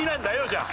じゃあ。